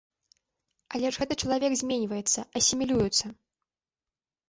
Але ж гэты чалавек зменьваецца, асімілюецца.